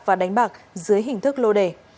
và đánh bạc dưới hình thức lô đề